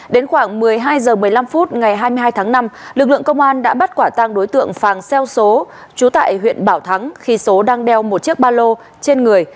đến khoảng một mươi hai h một mươi năm phút ngày hai mươi hai tháng năm lực lượng công an đã bắt quả tăng đối tượng phàng xeo xố trú trú tại huyện bảo thắng khi số đang đeo một chiếc ba lô trên người